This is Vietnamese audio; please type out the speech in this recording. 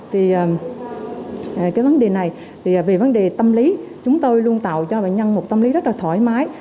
thì cái vấn đề này thì về vấn đề tâm lý chúng tôi luôn tạo cho bệnh nhân một tâm lý rất là thoải mái